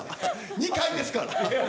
２回ですから。